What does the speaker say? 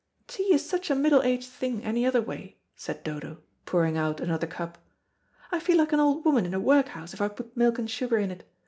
"Tea is such a middle aged thing any other way," said Dodo, pouring out another cup. "I feel like an old woman in a workhouse if I put milk and sugar in it.